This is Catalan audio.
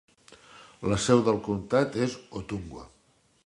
La seu del comtat és Ottumwa.